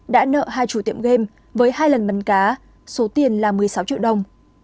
đã nợ hai chủ tiệm game với hai lần bắn cá số tiền là một mươi sáu triệu đồng